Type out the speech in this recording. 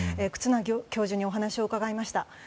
忽那教授にお話を伺いました。